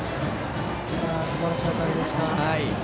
すばらしい当たりでした。